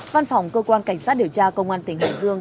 văn phòng cơ quan cảnh sát điều tra công an tỉnh hải dương